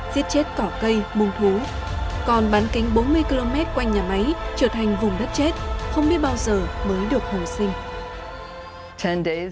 giết chết cỏ cây bùng thú còn bán cánh bốn mươi km quanh nhà máy trở thành vùng đất chết không biết bao giờ mới được hồ sinh